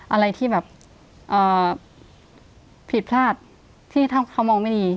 อะไรที่แบบผิดพลาดที่ถ้าเขามองไม่ดี